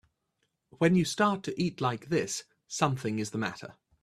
When you start to eat like this something is the matter.